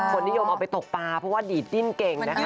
นิยมเอาไปตกปลาเพราะว่าดีดดิ้นเก่งนะคะ